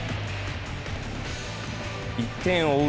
１点を追う